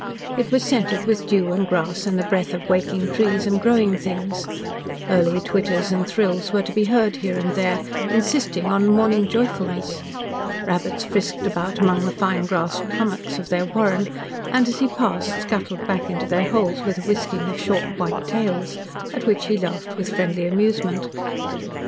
It was scented with dew and grass and the breath of waking trees and growing things; early twitters and thrills were to be heard here and there, insisting on morning joyfulness; rabbits frisked about among the fine grassed hummocks of their warren and, as he passed, scuttled back into their holes, with a whisking of short white tails, at which he laughed with friendly amusement.